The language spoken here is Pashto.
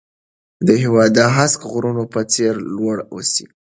د هېواد د هسک غرونو په څېر لوړ اوسئ.